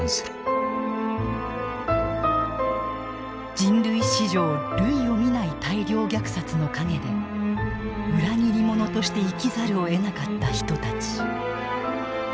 人類史上類を見ない大量虐殺の陰で裏切り者として生きざるをえなかった人たち。